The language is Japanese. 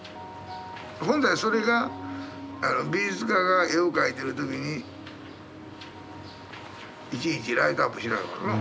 本来それが美術家が絵を描いてる時にいちいちライトアップしないもんな。